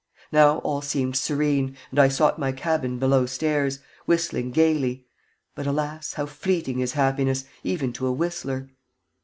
Now all seemed serene, and I sought my cabin belowstairs, whistling gayly; but, alas! how fleeting is happiness, even to a whistler!